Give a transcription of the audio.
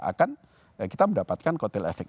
akan kita mendapatkan kotel efek